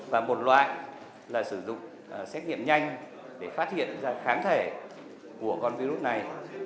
và một loại là sử dụng xét nghiệm nhanh để phát hiện ra kháng thể của con virus này